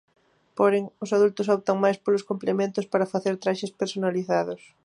Porén, os adultos optan máis polos complementos para facer traxes personalizados.